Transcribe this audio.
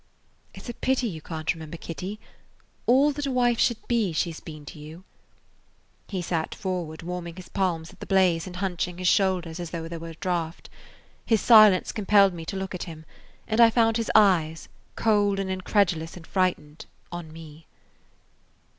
"It 's a pity you can't remember Kitty. All that a wife should be she 's been to you." He sat forward, warming his palms at the blaze and hunching his shoulders as though there were a draft. His silence compelled me to look at him, and I found his eyes, cold and incredulous and frightened, on me.